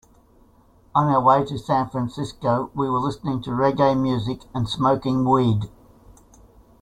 On our way to San Francisco, we were listening to reggae music and smoking weed.